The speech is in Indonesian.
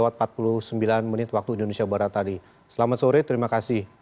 terima kasih ban hee shading